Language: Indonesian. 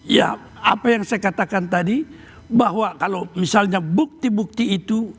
ya apa yang saya katakan tadi bahwa kalau misalnya bukti bukti itu